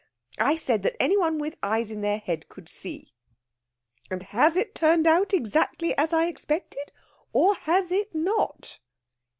I said that any one with eyes in their head could see. And has it turned out exactly as I expected, or has it not?"